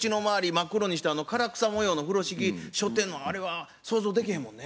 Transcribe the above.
真っ黒にして唐草模様の風呂敷しょってんのあれは想像できへんもんね。